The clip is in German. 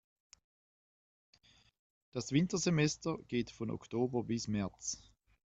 Das Wintersemester geht von Oktober bis März.